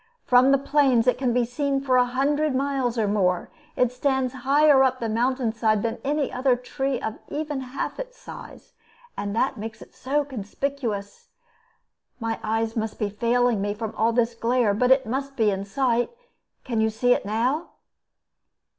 From the plains it can be seen for a hundred miles or more. It stands higher up the mountainside than any other tree of even half its size, and that makes it so conspicuous. My eyes must be failing me, from all this glare; but it must be in sight. Can you see it now?"